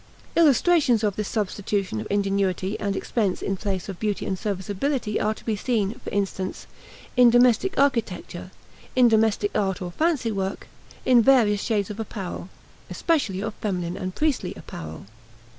Illustrations of this substitution of ingenuity and expense in place of beauty and serviceability are to be seen, for instance, in domestic architecture, in domestic art or fancy work, in various articles of apparel, especially of feminine and priestly apparel.